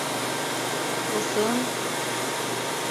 Ысын...